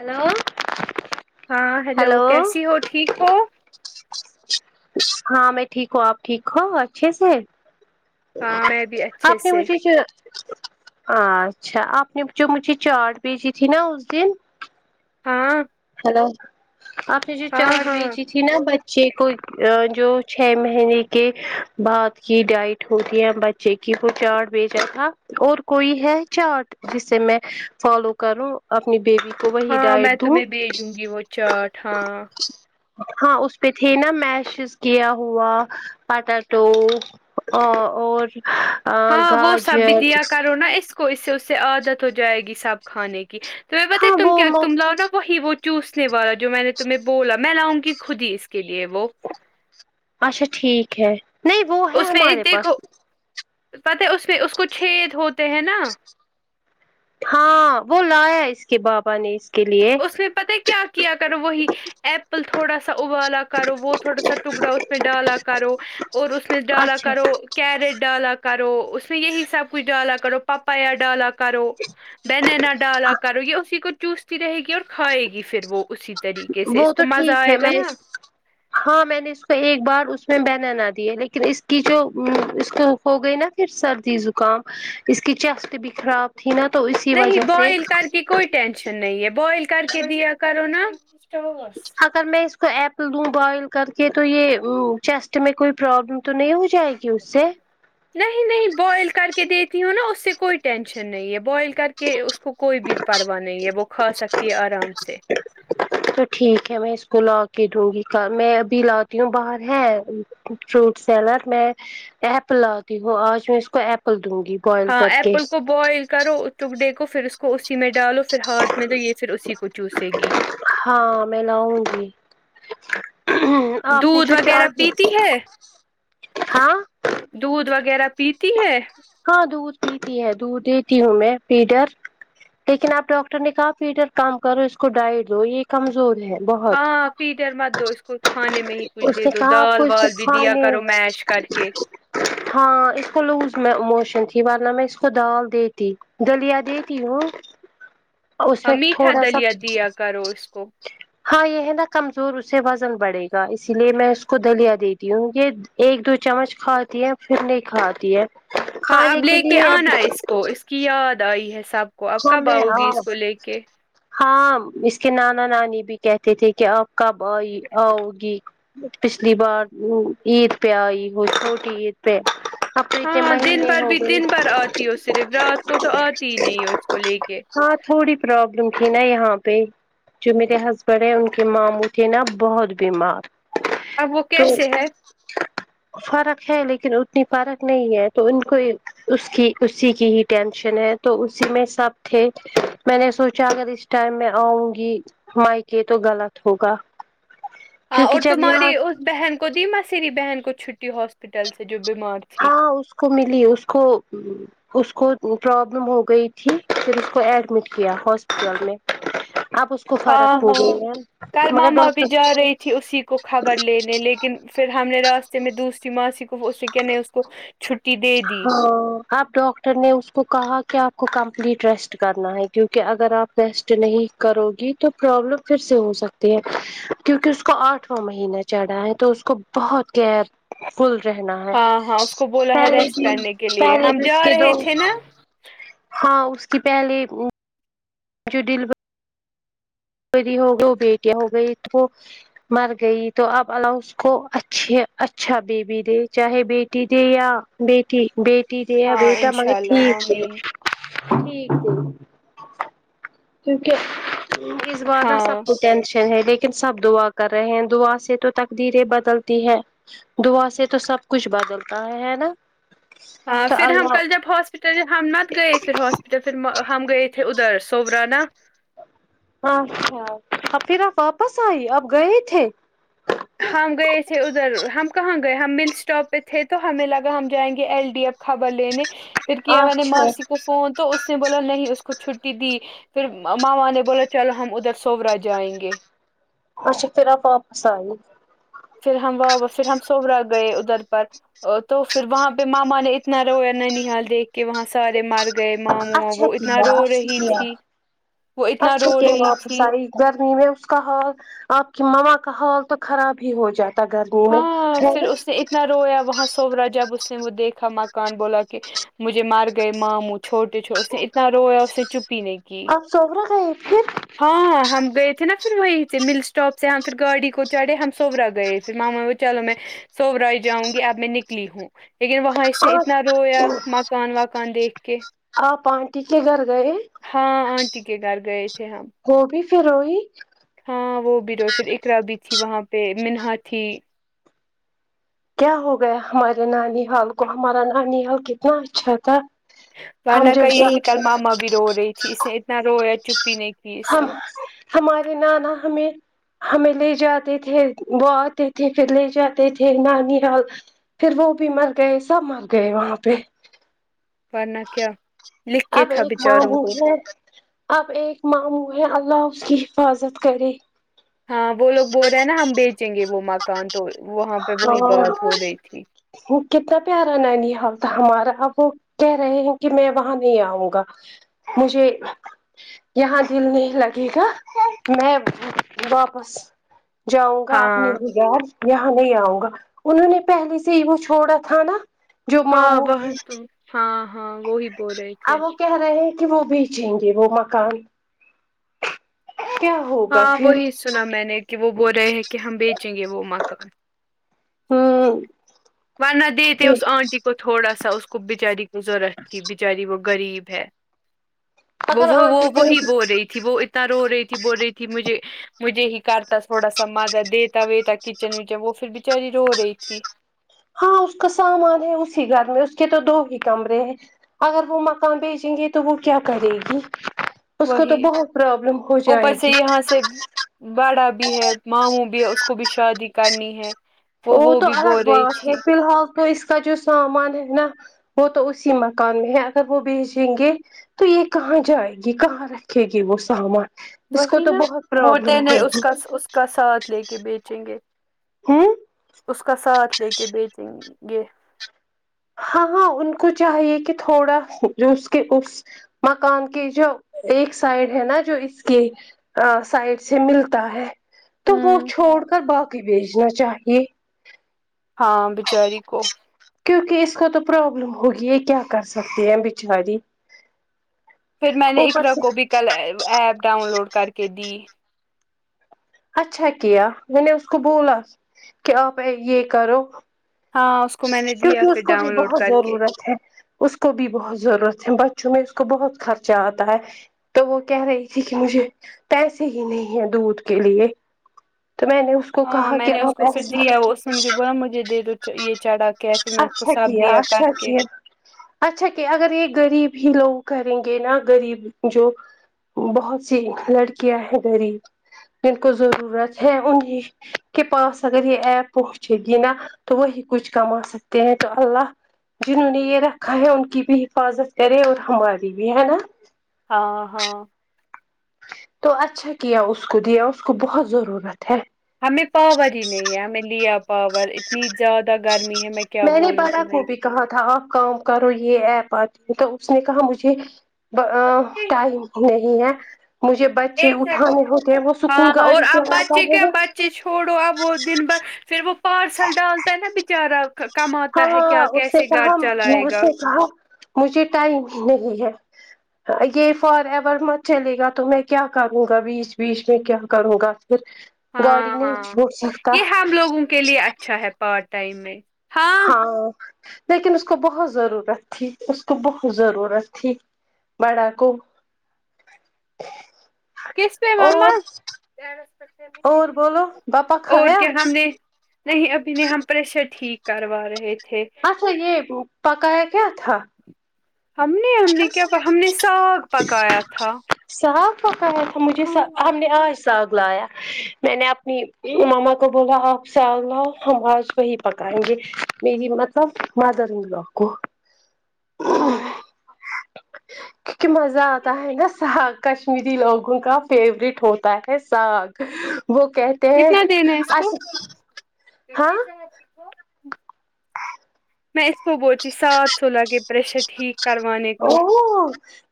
hello ہاں hello کیسی ہو ٹھیک ہو ہاں میں ٹھیک ہوں آپ ٹھیک ہو اچھے سے ہاں میں بھی اچھے آپ نے سے مجھے جو اچھا آپ نے جو مجھے چاٹ بھیجی تھی نا اس دن ہاں ہیلو آپ نے جو چا ہاں ہاں بھیجی نا بچے کو جو چھ مہینے کے بعد کی ڈائٹ ہوتی ہے بچے کی وہ چارٹ بھیجا تھا اور کوئی ہے چارٹ جس سے میں فالو کروں اپنی بیبی کو وہی ہاں میں ڈائٹ دوں تمہیں بھیجوں گی وہ چاٹ ہاں ہاں اس پہ تھے نا میشز کیا ہوا پٹٹو ا اور ہاں وہ سب گاجر بھی دیا کرو نا اس اس سے اس سے عادت ہو جائے گی سب کھانے کی تو بتائی ہاں تم کیا وہ تم لاؤ نا وہی وہ چوسنے والا جو میں نے تمہیں بولا میں لاؤں گی خود ہی اس کے لیے وہ اچھا ٹھیک ہے نہیں وہ ہے اس میں ہمارے دیکھو پاس پتہ ہے اس میں اس کو چد ہوتے ہیں نا ہاں وہ لایا اس کے بابا نے اس کے لیے اس میں پتا کیا کیا کرو وہی ایپل تھوڑا سا ابالا کرو وہ تھوڑا سا ٹکڑا اس پ ڈالا کرو اور اس میں ڈالا اچھا کرو کیرٹ ڈالا کرو اس میں یہی سب کچھ ڈالا کرو پاپایا ڈالا کرو بینینا ڈالا کرو یہ اسی کو چوستتی رہے گی اور وہ تو ٹھیک ہے میں [unintelligible] ہاں میں نے اس کو ایک بار اس میں بنناا دی ہے لیکن اس کی جو اس کو ہو گئی نا پھر سردی زکام اس کی چیسٹ بھی خراب تھی نا تو اسی نہیں وجہ سے بوائل کر کے کوئی ٹینشن نہیں ہے بوائل کر کے دیا کرو نا ن ہوگ اچا اگر میں اس کو ایپل دوں بوائل کر کے تو یہ چیسٹ میں کوئی پرابلم تو نہیں ہو جائے گی کی سےے نہیں نہیں بوائل کر کے دیتی ہوں نا اس سے کوئی ٹینشن نہیں ہے بوائل کر کے کہ اس کو کوئی بھی پرواہ نہیں ہے وہ کھا سکتی ہے آرام سے تو ٹھیک ہے میں اس کو لا کے دوں گی ک میں ابھی لاتی ہوں باہر ہے فروٹ سیلر میں ایپل لی ہوں آج میں اس کو ایپل دوں گی بوائل ہاں کر کے ایپل کو بوائل کرو چک ڈے کو پھر اس کو اسی میں ڈالو پھر ہاتھ میں تو یہ پھر اسی کو چوسے گی ہاں میں لاؤوں گی آپ نے دودھ جو وغیرہ چاٹ پیتی ہے ہاں دودھ وغیرہ پیتی ہے دیتی ہے دودھ دیتی ہوں میں پیڈر لیکن آپ ڈاکٹر نے کہا پیٹر کام کرو اس کو ڈائائیٹ دو یہ کمزور ہے بہت ہاں پیڈر مت دو اس کو کھانے میں ہی کچھ دے اس نے دو کہا آپ دال کو اس کو وال بھی دیا کھانے کرو میش کر کیک ہاں اس کو لوز میں موشن تھی ورنہ میں اس کو دال دیتی گلیا دیتی ہوں اس ہاں میں میٹھا تھوڑا سا دلیا دیا کرو اس کو ہاں یہ ہے نا کمزور اس سے وزن بڑھے گا اسی لیے میں اس کو دلیا دیتی وں یہ ایک دو چمچ کھاتی ہے پھر نہیں کھاتی ہے ہاں کھانے اب لے کے لیے اب آنا ہے اس کو اس کی یاد آئی ہے سب کو اب کب ہمیں آؤ گی اس کو لے کے ہاں اس کے نانا نانی بھی کہتے تھے کہ آپ کب آئی آؤ گی پچھلی بار عید پہ آئی ہو چھوٹی عید پہ اب تو اتنے ہاں دن مہینے بھر ہو بھی گئے دن بھر آتی ہو صرف رات کو تو آتی ہی نہیں ہے اس کو لے کے ہاں تھوڑی پروابلم تھی نا یہاں پہ جو میرے ہسبینڈ ہیں ان کے ماموں تھے نا بہت بیمار اب وہ تو کیسے [inaudible] فرق ہے لیکن اتنی فرق نہیں ہے تو ان کو اس کی اسی کی ہی ٹینشن ہے تو اسی میں سب تھے میں نے سوچا اگر اس ٹائم میں آؤں گی مائیکے تو غلط ہوگا [inaudible] ہ کیونکہ اور جب تمہاری یہاں اسس بہن کو دی م سری بہن کو چھٹی ہاسپٹل سے جو بیمار تھی ہاں اس کو ملی اس کو اس کو پرابلم ہو گئی تھی پھر اس کو ایڈمٹ کیا ہاسپٹل میں آپ [unintelligible] ہاں ہاں کل ماما بھی ڈاکٹر جا رہی تھی اسی کو خبر لینے لیکن لن پھر ہم نے راستے میں دوسری ماسی کو اسے کیانے اس کو چھٹی دے دی ہاں آپ ڈاکٹر نے اس کو کہا کہ آپ کو کمپلیٹ ریسٹ کرنا ہے کیوںکہ اگر آپ ریسٹ نہیں کرو گی تو پرابلم پھر سے ہو سکتی ہے کیونکہ اس کو آٹھواں مہینہ چڑھا ہے تو اس کو بہت گ فل رہنا ہے ہاں ہاں اس کو بولا ہے پہلے ریسٹ بھی کرنے کے لیے پہلے ہم بھی اس جا کے دو رہے تھے نا ہاں اس کی پہل جو ڈیل ری ہو گئی بیٹیاں ہو گئی تو مر گئی تو اب اللہ اس کو اچھے اچھا بیبی دے چاہے بیٹی دے یا بیٹی بیٹی دیا ہاں بیٹا انشاء مگر اللہ ٹھیک ہے آمین ٹھیک ہےھیک کیونکہ سواتدا ہاں سب کچھ ٹینشن ہے لیکن سب دعا کر رہے ہیں دعا سے تو تقدریں بدلتی ہے دعا سے تو سب کچھ بدلتا ہے ہے نا ہاں تو پھر ہم اللہ کل جب ہاسپٹل ہم نہت گئے پھر ہاسپٹل پھر ہم گئے ا تھے ادھر سوورانا اچھا ا پھر آپ واپس آئی اب گئے تھے ہم گئے تھے ادھر ہم کہاں گئے ہم مل اسٹاپ پہ تھے تو ہمیں لگا ہم جائیں گے ایل ڈی ایف خبر لینے پھر کیا میں نے اچھا ماسی کو فون تو اس نے بولا نہیں اس کو چھٹی دی پھر ماما نے بولا چلو ہم ادھر سورا جائیں گے اچھا پھر آپ واپس آئی پھر ہماں پھر ہم سوبا گئے ادھر پر تو پھر وہاں پہ ماما نے اتنا رویا ننیی حال دیکھ کے وہاں سے سارے مر گئے ماں م اچھا وہ اتنا کیا رو اچھا رہی کیا تھی وہ اتنا رو اچھا رہی راپس تھی گرمی میں اس کا حال آپ کی مماں کا حال تو خراب ہی ہو جاتا تاگرنی میں ہاں ہےا پھر اس نے اتنا رویا وہاں سوور رہا جب اس نے وہ دیکھا مکان بولا کہ مجھے مار گئے ماموں چھوٹے چھو اس نے اتنا رویا اسے چپی نہیں کی آپ سوب رہا ہے ایک پھر ہاںاں ہم گئے تھے نا پھر وہیں سے مل اسٹاپ سے ہم پھر گاڑی کو چڑھے ہم سورا گئے پھر ماما چلو میں سوورائی جاؤں گی اب میں نکلی ہوں لیکن وہاں اس نے اتنا آپ رویا مکان وکان دیکھ کےہ آپ پانٹی کے گھر گئے ہاں آنٹی کے گھر گئے تھے ہم وہ بھی فھر ائی ہاں وہ بھی رو پ اقر بھی تھی وہاں پہ منہا تھی کیا ہو گیا ہمارے نانی حال کو ہمارا نانی حال کتنا اچھا تھا وہ نہ ہم کہ جب یہی کل ماما بھی رو رہی تھی اس نے اتنا رویا چپ ہی نہیں کی اس ہم نے ہمارے نانا ہمیں ہمیں لے جاتے تھے وہ آتے تھے پھر لے جاتے تھے نانییاال پھر وہ بھی مر گئے سب مر گئے وہاں پہ ورنہ کیا لکھ آ کے ب تھا ک بچاروں کو [unintelligible] اب ایک ماموں ہے اللہ اس کی حفاظت کرے ہاں وہ لوگ بول رہے ہیں نا ہم بیچیں گے وہ مکان تو وہاں پہ ہاں وہی بات ہو رہی تھی کتنا پیارا نانیی حال تھا ہمارا اب وہ کہہ رہے ہیں کہ میں وہاں نہیں آؤں گا مجھے یہاں دل نہیں لگے گا میں واپس جاؤں گا اپنی ہاں بگار یہاں نہیں آؤں گا انہوں نے پہلے سے ہی وہ چھوڑا تھا نا جو ہاں ماموں وہ تو ہاں ہاں وہی بول رہے تھے اب وہ کہہ رہے ہیں کہ وہ بیچیں گے وہ مکان کیا ہوگا ہاں پھر وہی سنا میں نے کہ وہ بول رہے ہیں کہ ہم بیچیں گے وہ مکان ہوں ون نا دیتےے اس آنٹی کو تھوڑا سا اس کو بچاری کووورت تھی بچاراری ب وہ غریب ہے وہ اگر وہ وہ آنٹی کو وہی بول رہی تھی وہ ا رو رہی تھی بول رہی تھی مجھے مجھے ہی کرتا تھوڑا سا مدہ دیتا وتا کچن وچن وہ پھر بچاری رو رہی تھی ہاں اس کا سامان ہے اسی گھر میں اس کے تو دو ہی کمرے ہیں اگر وہ مکان بیچیں گے تو وہ کیا کرے گی اس کو تو بہت پرابلم ہو جائے گی س بڑا بھی ہے ماہوں بھی ہے اس کو بھی شادی کرنی ہے وہ تو بھی الگ بول رہی بات ہے تھی فی الحال تو اس کا جو سامان ہے نا وہ تو اسی مکان میں ہے اگر وہ بھیجیں گے تو یہ کہاں جائے گی کہاں رکھے گی وہ سامان اس کو وہی تو نا بہت پرابلم بولتے نہیں اس ہوگی کا اس کا ساتھ لے کے بیچیں گے ہاں اس کا ساتھ لے کے بیچیں گے یہ ہاں ہاں ان کو چاہیے کہ تھوڑا جو اس کے اس مکان کے جو ایک سائڈ ہے نا جو اس کے سائڈ سے ملتا ہے تو وہ ہوں چھوڑ کر باقی بھیجنا چاہیے ہاں بچاری کو کیونکہ اس کا تو پرابلم ہوگی یہ کیا کر سکتی ہیں بچاری پھر میں نے اوپر اقرا سے کو بھی کل ایپ ڈاؤن لوڈ کر کے دی اچھا کیا میں نے اس کو بولا کہ آپ یہ کرو ہاں کو میں نے دیا کیونکہ پھر اس کو بھی ڈاؤن لوڈ بہت کر کے ضرورت ہے اس کو بھی بہت ضرورت ہے بچوں میں اس کو بہت خرچہ آتا ہے تو وہ کہہ رہی تھی کہ مجھے پیسے ہی نہیں ہیں دودھ کے لیے تو میں نے کو ہاں کہا میں کہ نے اس آپ کو پھر ایسے دیا اس نے مجھے بولا مجھے دے دو یہ چڑھا کے پھر میں اس کو اچھا سب کیا دیا اچھا کر کے کیا اچھا کہ اگر یہ غریب ہی لوگ کریں گے نہا غریب جو بہت سی لڑکیاں ہیں غریب جن کو ضرورت ہے انہیں کے پاس اگر یہ ایپ پہنچے گی نا تو وہی کچھ کما سکتے ہیں تو اللہ جنہوں نے یہ رکھا ہے ان کی بھی حفاظت کرے اور ہماری بھی ہے نا ہاں ہاں تو اچھا کیا اس کو دیا اس کو بہت ضرورت ہے ہمیں پاور ہی نہیں ہے ہمیں لیا پاور اتنی زیادہ گرمی ہے میں کیا نے بولوں بڑا تمہیں کو بھی کہا تھا آپ کام کرو یہ ایپ آتے ہیں تو اس نے کہا مجھے ٹم نہیں ہے مجھے بچے ایک سیکنڈ اٹانے ہوتے ہیں وہ سکول ہاں گاڑی اور سے اب آتا بچے ہے کیا نا بچے چھوڑو اب وہ دن بد پھر وہ پارسل ڈالتا ہے نا بچارا کماتا ہے ہاں کیا اس نے کیسے گھر کہا چلائے اس گا سے کہا مجھے ٹائم ہی نہیں ہے یہ فار ایور مت چلے گا تو میں کیا کروں گا بیس بیس میں کیا کروں گا پھر گاڑی ہاں نہیں ہاں چھوڑ سکتا یہ ہم لوگوں کے لیے اچھا ہے پارٹ ٹائم میں ہاں ہاں لیکن اس کو بہت ضرورت تھی اس کو بہت ضرورت تھی بڑا کو [inaudible] کس پہ ماما اور اور بولو باپا اور کھایا کیا ہم نے نہیں ابھی نہیں ہم پریشر ٹھیک کروا رہے تھے اچھا یہ پکایا کیا تھا ہم نے ہم نے کیا ہم نے ساگ پکایا تھا صاف پکایا تھا مجھےا ہاں ہم نے آج ساگ لایا میں نے اپنی ماما کو بولا آپ ساگ لاؤ ہم آج وہی پکائیں گے میںیری مطلب مدروں گی آپ کو [inaudible] ہ کک مز آتا آ نس سگ کشمیری لوگوں کا فیوروریٹ ہوتا ہے ساگ وہ کہ کتنا دینا ہے اس کو کہس ہاں میں اس کو بوچی سات سو لگے پریشر ٹھیک کروانے او کو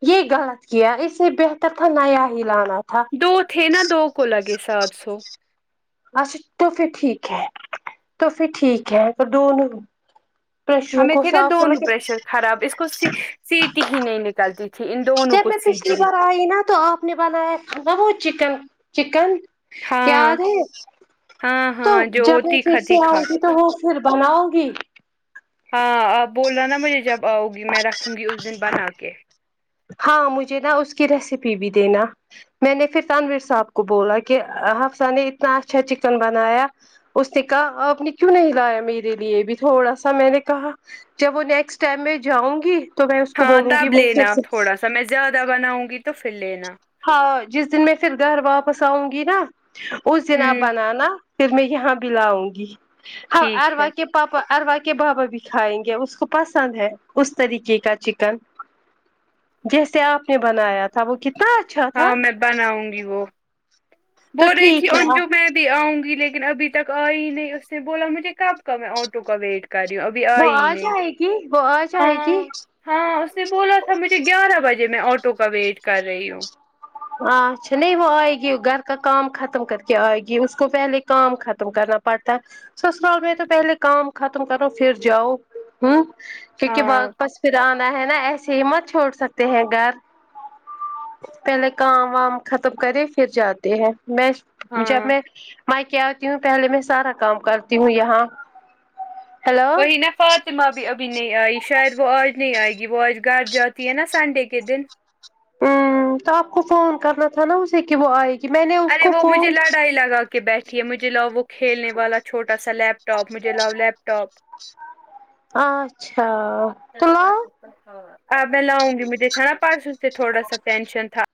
یہ غلط کیا اسے بہتر تھا نیا ہی لانا تھا دو تھے نہا دو کولا گے سات سو اچھا توفھر ٹھیک ہے تو پھر ٹھیک ہے پ دونوں پریشر س آسو کہ ک س سیٹ ہی نہیں نکلتی تھی ان دونوں جب کو میں پچھلی سیٹی بار آئی نا تو آپ نے بنایا کھا وہ چکن چکن ہاں یاد ہے ہاں تو ہاں جو جب پھر تیکھا سے آؤ تیکھا گے تو وہ پھر بناؤں گی ہاں آپ بول رہا نا مجھے جب آؤ گی میں رکھوں گی اس دن بنا کے ہاں مجھے نا اس کی ریسیپی بھی دینا میں نے پھر تنویر صاحب کو بولا کہ حفسہ نے اتنا اچھا چکن بنایا اس نے کہا آپ نے کیوں نہیں لایا میرے لیے بھی تھوڑا سا میں نے کہا جب وہ نیکسٹ ٹائم میں جاؤں گی تو میں اس کو بولوں گی وہ پھر سے س میں زیادہ بناؤں گی تو پھر لینا ہاں جس دن میں پھر گھر واپس آؤں گی نا اس دن اب ہوں بنانا پھر میں یہاں بھی لاؤں گی ار ٹھیک ہے وا کے پاپا اروا کے بابا بھی کھائیں گے اس کو پسند ہے اس طریقے کا چکن جیسے آپ نے بنایا تھا وہ ک ہاں میں بناؤں گی وہ تو ب رہی تھی ٹھیک ہے اور جو میں اب بھی آؤں گی لیکن ابھی تک آئی ہی نہیں اس نے بولا مجھے کب کا میں آٹو کا ویٹ کر رہی ہوں ابھی وہ آئی آ نہیں جائے گی وہ آ جائے گی ہاں ہاں اسے بولا تھا مجھے گیارہ بجے ج میں آٹو کا ویٹ کر رہی ہوں اچھا نہیں وہ آئے گی گھر کا کام ختم کر کے آئے گی اس کو پہلے کام ختم کرنا پڑتا سسرال میںیر تو پہلے کام ختم کرو پھر جاؤ ہوں کیونکہ ہاں واپس پھر آنا ہے نا ایسے ہی مت چھوڑ سکتے ہیں گھر پہلے کام وام ختم کرے پھر جاتے ہیں میں جب ہاں میں میں کیا آتی ہوں پہلے میں سارا کام کرتی ہوں یہاں ہیلو کو نا فاطمہ بھی ابھی نہیں آئی شاید وہ آج نہیں آئے گی وہ آج گھر جاتی ہے نا سنڈے کے دن ہ تو آپ کو فون کرنا تھا نا اسے کہ وہ آئے گی میں نے اس ارے کو وہ مجھے فون لڑائی لگا کے بیٹھیے مجھے لاؤ وہ کھیلنے والا چھوٹا سا لیپ ٹاپ مجھے لاؤ لیپ ٹاپ اچھا تو ل آب میں لاؤں گی مجھے چ نا پرسوں سے تھوڑا سا ٹینشن تھا